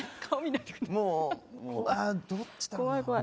もうああどっちだろうな？